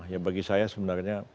ya bagi saya sebenarnya